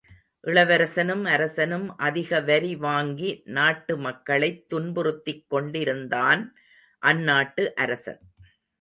இளவரசனும் அரசனும் அதிக வரி வாங்கி நாட்டு மக்களைத் துன்புறுத்திக் கொண்டிருந்தான் அந்நாட்டு அரசன்.